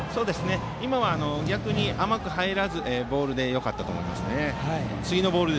今は逆に甘く入らずボールでよかったと思います。